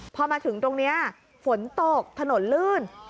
พอมาถึงตรงนี้ฝนตกถนนลื่น